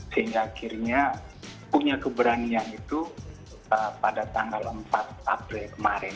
sehingga akhirnya punya keberanian itu pada tanggal empat april kemarin